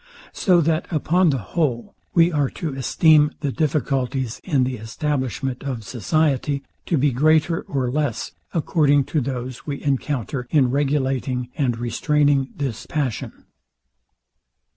So that upon the whole, we are to esteem the difficulties in the establishment of society, to be greater or less, according to those we encounter in regulating and restraining this passion.